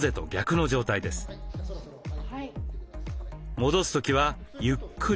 戻す時はゆっくりと。